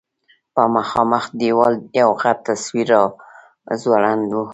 په مخامخ دېوال یو غټ تصویر راځوړند و.